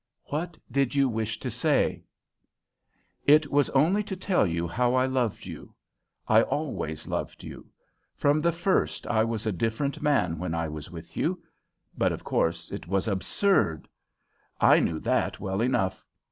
"What did you wish to say?" "It was only to tell you how I loved you. I always loved you. From the first I was a different man when I was with you. But of course it was absurd, I knew that well enough.